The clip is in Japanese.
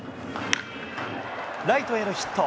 ライトへのヒット。